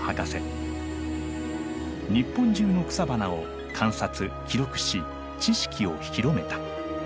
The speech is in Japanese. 日本中の草花を観察記録し知識を広めた。